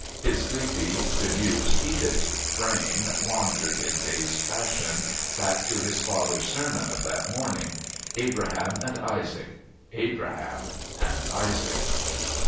His sleepy, bemused, heated brain wandered, in dazed fashion, back to his father's sermon of that morning. Abraham and Isaac! Abraham and Isaac!